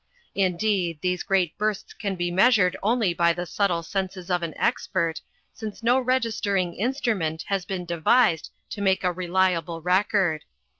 Indeed, these great bursts can be measured only by the subtle senses of an expert, since no registering instrument has been devised to make reliable record.